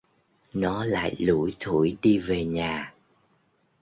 Nó lại lủi thủi đi về nhà